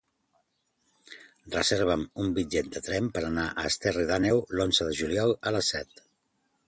Reserva'm un bitllet de tren per anar a Esterri d'Àneu l'onze de juliol a les set.